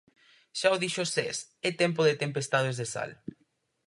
Xa o dixo Sés, é tempo de tempestades de sal.